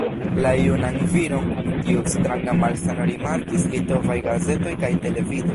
La junan viron kun tiu stranga malsano rimarkis litovaj gazetoj kaj televido.